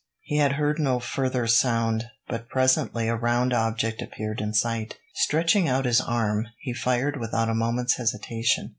He had heard no further sound, but presently a round object appeared in sight. Stretching out his arm, he fired without a moment's hesitation.